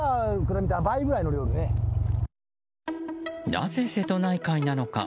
なぜ瀬戸内海なのか。